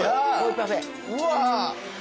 うわ。